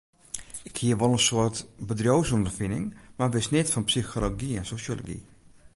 Ik hie wol in soad bedriuwsûnderfining, mar wist neat fan psychology en sosjology.